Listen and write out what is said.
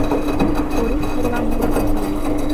Порис пурла могыр гыч толеш.